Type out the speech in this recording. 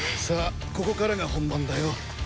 さあここからが本番だよ。